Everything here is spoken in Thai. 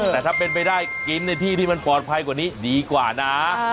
แต่ถ้าเป็นไปได้กินในที่ที่มันปลอดภัยกว่านี้ดีกว่านะ